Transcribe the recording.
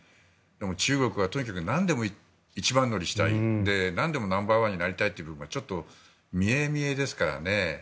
中国はとにかくなんでも一番乗りにしたいなんでもナンバーワンになりたいというのがちょっと見え見えですからね。